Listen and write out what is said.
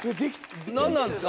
何なんですか？